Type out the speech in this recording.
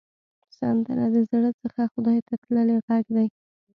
سندره د زړه څخه خدای ته تللې غږ ده